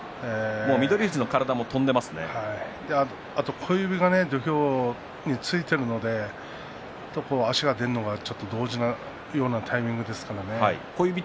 あと小指がね土俵についているので足が出るのは同時のようなタイミングですからね。